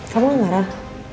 kamu gak marah